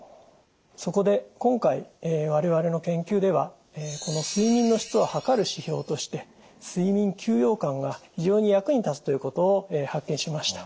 そこで今回我々の研究ではこの睡眠の質をはかる指標として睡眠休養感が非常に役に立つということを発見しました。